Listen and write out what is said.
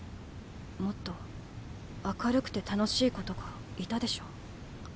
もっと明るくて楽しい子とかいたでしょ？